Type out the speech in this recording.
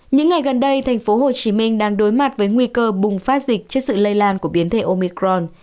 những ngày gần đây tp hcm đang đối mặt với nguy cơ bùng phát dịch trước sự lây lan của biến thể omicron